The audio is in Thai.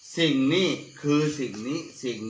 สิ่งนี้คือสิ่งนี้